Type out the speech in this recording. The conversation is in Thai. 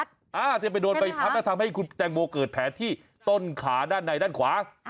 อาจจะไปโดนใบพัดแล้วทำให้คุณแตงโมเกิดแผลที่ต้นขาด้านในด้านขวา